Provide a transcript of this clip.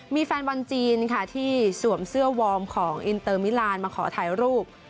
มีแฟนบอลจีนค่ะที่สวมเสื้อวอร์มของอินเตอร์มิลานมาขอถ่ายรูป